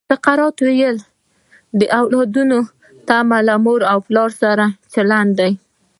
سقراط وایي د اولادونو تمه له مور او پلار سره چلند دی.